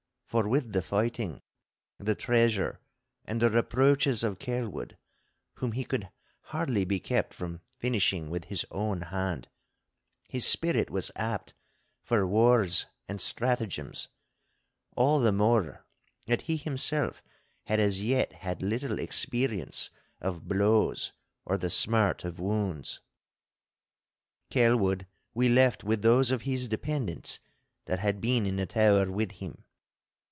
For with the fighting, the treasure, and the reproaches of Kelwood, whom he could hardly be kept from finishing with his own hand, his spirit was apt for wars and stratagems—all the more that he himself had as yet had little experience of blows or the smart of wounds. Kelwood we left with those of his dependents that had been in the tower with him.